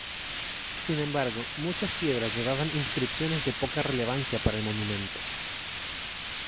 Sin embargo, muchas piedras llevaban inscripciones de poca relevancia para el monumento.